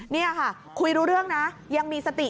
นี่ค่ะคุยรู้เรื่องนะยังมีสติ